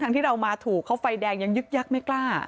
ที่เรามาถูกเขาไฟแดงยังยึกยักษ์ไม่กล้า